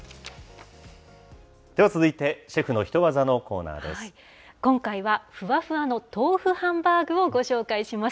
では続いて、シェフのヒトワザの今回はふわふわの豆腐ハンバーグをご紹介します。